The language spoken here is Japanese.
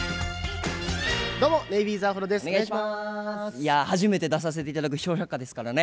いや初めて出させて頂く「笑百科」ですからね。